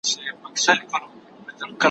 زه به سبا د درسونو يادوم!؟